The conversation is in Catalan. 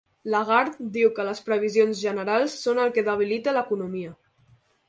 Lagarde diu que les previsions generals són el que debilita l'economia